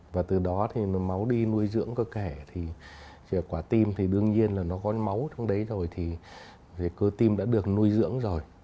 và từ đó thì máu đi nuôi dưỡng cơ kẻ thì quả tim thì đương nhiên là nó có máu trong đấy rồi thì cơ tim đã được nuôi dưỡng rồi